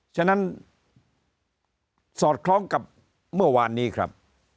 ฉะนั้นสอดคล้องกับเมื่อวานนี้ครับ